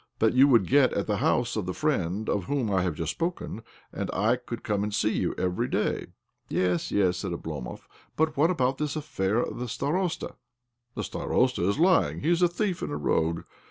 That you would get at the house of the friend of whom I have just spoken ; and I could come to see you every day." " Yes, yes," said Oblomov. " But what about this affair of the starosta} "" The starosta is lying. He is a thief and a rogue.